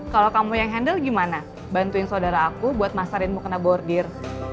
kalau kamu yang handle gimana bantuin saudara aku buat masarin mukena bordir